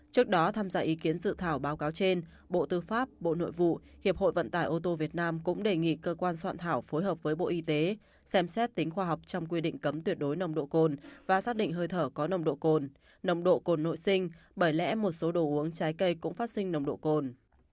trước đó tham gia ý kiến dự thảo báo cáo trên bộ tư pháp bộ nội vụ hiệp hội vận tải ô tô việt nam cũng đề nghị cơ quan soạn thảo phối hợp với bộ y tế xem xét tính khoa học trong quy định cấm tuyệt đối nồng độ cồn và xác định hơi thở có nồng độ cồn nồng độ cồn nội sinh bởi lẽ một số đồ uống trái cây cũng phát sinh nồng độ cồn